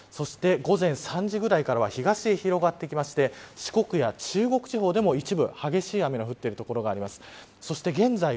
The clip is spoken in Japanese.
そして、午前３時ぐらいからは東へ広がってきて四国や中国地方でも一部激しい雨が降っている所があります。